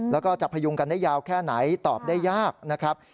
แล้วก็จะพยุงกันได้ยาวแค่ไหนตอบได้ยากนะครับ